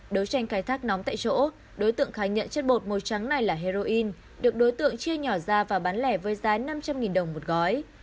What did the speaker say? đấu tranh khai thác nóng tại chỗ đối tượng khai nhận chất bột màu trắng này là heroin được đối tượng chia nhỏ ra và bán lẻ với giá năm trăm linh đồng một gói